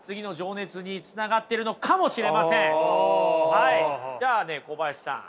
はいじゃあね小林さん。